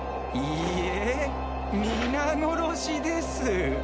いいえ皆殺しです。